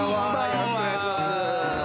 よろしくお願いします。